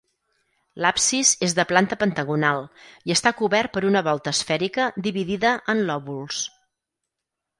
L’absis és de planta pentagonal i està cobert per una volta esfèrica dividida en lòbuls.